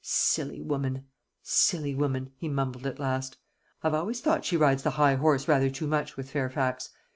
"Silly woman! silly woman!" he mumbled at last. "I've always thought she rides the high horse rather too much with Fairfax.